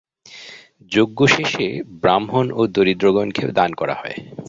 যজ্ঞশেষে ব্রাহ্মণ ও দরিদ্রগণকে দান করা হয়।